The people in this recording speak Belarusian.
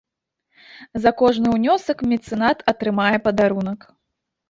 За кожны ўнёсак мецэнат атрымае падарунак.